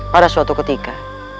pada suatu ketika